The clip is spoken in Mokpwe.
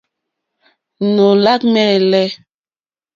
Nóò lâ ŋwɛ́ǃɛ́lɛ́.